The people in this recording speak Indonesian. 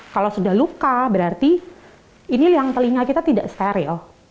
kalau sudah luka berarti ini liang telinga kita tidak steril